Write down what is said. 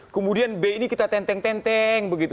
kemudian b ini kita tenteng tenteng begitu